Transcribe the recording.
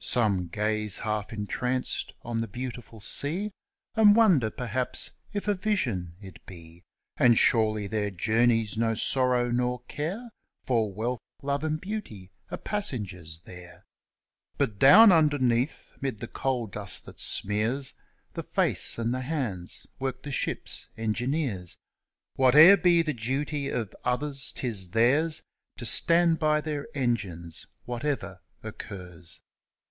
Some gaze half entranced on the beautiful sea, And wonder perhaps if a vision it be: And surely their journeys no sorrow nor care, For wealth, love, and beauty are passengers there. But down underneath, 'mid the coal dust that smears The face and the hands, work the ship's engineers. Whate'er be the duty of others, 'tis theirs To stand by their engines whatever occurs.